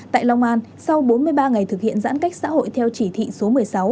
tại long an sau bốn mươi ba ngày thực hiện giãn cách xã hội theo chỉ thị số một mươi sáu